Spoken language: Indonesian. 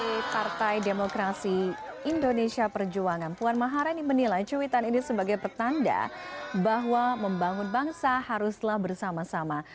partai demokrasi indonesia perjuangan puan maharani menilai cuitan ini sebagai pertanda bahwa membangun bangsa haruslah bersama sama